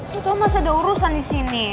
udah tau masih ada urusan disini